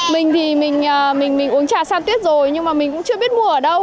mình thì mình uống trà san tuyết rồi nhưng mà mình cũng chưa biết mua ở đâu